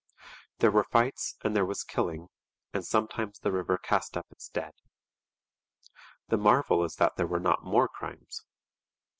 There were fights and there was killing, and sometimes the river cast up its dead. The marvel is that there were not more crimes.